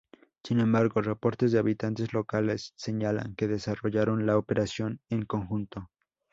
Sin embargo, reportes de habitantes locales señalan que desarrollaron la operación en conjunto.